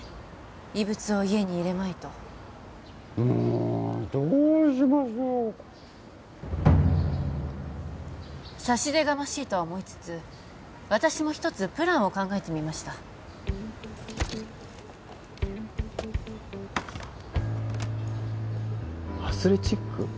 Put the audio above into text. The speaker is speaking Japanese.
異物を家に入れまいともうどうしましょう差し出がましいとは思いつつ私も一つプランを考えてみましたアスレチック？